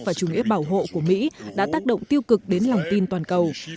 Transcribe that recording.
và chủ nghĩa bảo hộ của mỹ đã tác động tiêu cực đến lòng tin toàn cầu